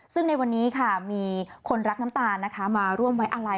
ซึ่งในวันนี้ค่ะมีคนรักน้ำตาลนะคะมาร่วมไว้อาลัย